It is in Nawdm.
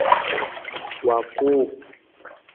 Wa kuu.